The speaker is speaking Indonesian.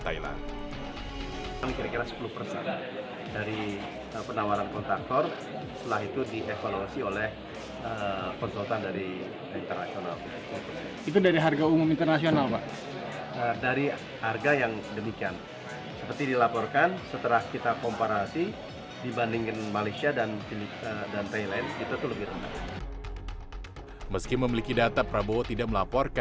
kalau tidak untung mereka tidak mau kerja